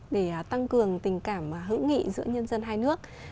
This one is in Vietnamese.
để tăng cường tình cảm hữu nghị giữa nhân dân hai nước